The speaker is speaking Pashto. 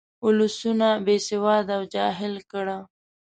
ولسونه بې سواده او جاهل کړه.